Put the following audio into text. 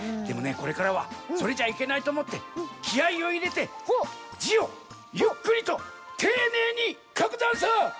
でもねこれからはそれじゃいけないとおもってきあいをいれてじをゆっくりとていねいにかくざんす！